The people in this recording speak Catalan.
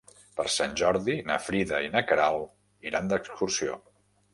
Per Sant Jordi na Frida i na Queralt iran d'excursió.